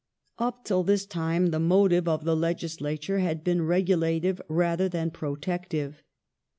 Up till this time the motive of the Legislature had been regula tive rather than protective.